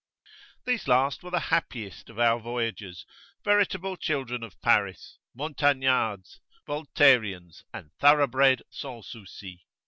These last were the happiest of our voyagers, veritable children of Paris, Montagnards, Voltaireans, and thoroughbred Sans Soucis.